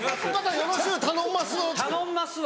「よろしゅう頼んます」。